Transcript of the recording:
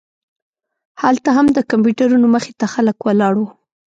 هلته هم د کمپیوټرونو مخې ته خلک ولاړ وو.